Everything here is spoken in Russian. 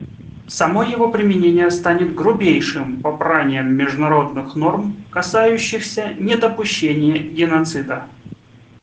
Само его применение станет грубейшим попранием международных норм, касающихся недопущения геноцида.